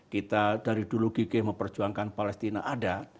kita dari dulu gigih memperjuangkan palestina ada